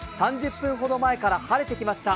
３０分ほど前から晴れてきました。